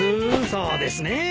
そうですねえ。